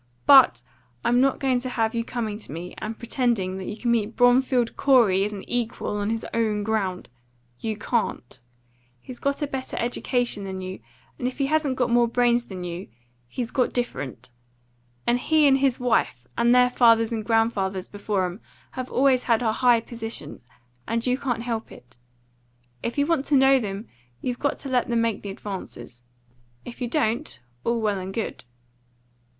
But I'm not going to have you coming to me, and pretending that you can meet Bromfield Corey as an equal on his own ground. You can't. He's got a better education than you, and if he hasn't got more brains than you, he's got different. And he and his wife, and their fathers and grandfathers before 'em, have always had a high position, and you can't help it. If you want to know them, you've got to let them make the advances. If you don't, all well and good."